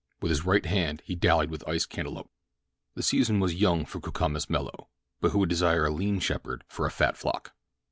With his right hand he dallied with iced cantaloupe. The season was young for cucumis melo; but who would desire a lean shepherd for a fat flock?